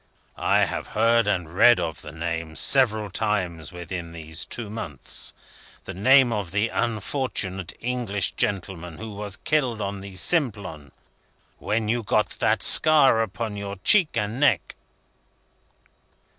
I have heard and read of the name, several times within these two months. The name of the unfortunate English gentleman who was killed on the Simplon. When you got that scar upon your cheek and neck."